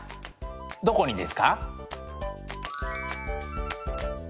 どこにですか？